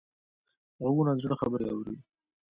غوږونه د زړه خبرې اوري